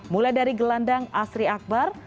mulai dari gelandang asri akbar